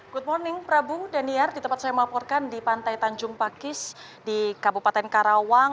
good morning prabu daniar di tempat saya melaporkan di pantai tanjung pakis di kabupaten karawang